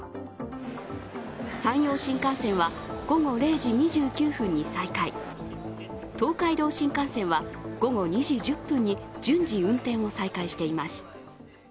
山陽新幹線は午後０時２９分に再開、東海道新幹線は午後２時１０分に順次、運転を再開しています。